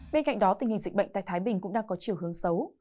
bên cạnh đó tình hình dịch bệnh tại thái bình cũng đang có chiều hướng xấu